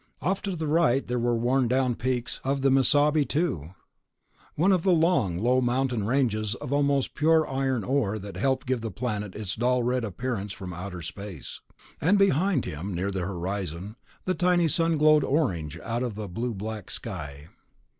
Off to the right were the worn down peaks of the Mesabi II, one of the long, low mountain ranges of almost pure iron ore that helped give the planet its dull red appearance from outer space. And behind him, near the horizon, the tiny sun glowed orange out of a blue black sky.